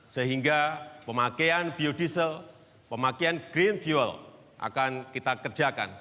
sehingga pemakaian biodiesel pemakaian green fuel akan kita kerjakan